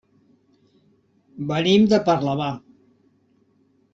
Venim de Parlavà.